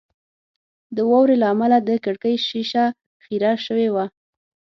د واورې له امله د کړکۍ شیشه خیره شوې وه